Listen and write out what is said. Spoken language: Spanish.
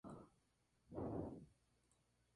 Algunos historiadores los consideran puramente mitológicos.